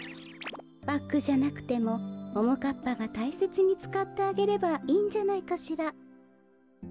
バッグじゃなくてもももかっぱがたいせつにつかってあげればいいんじゃないかしら。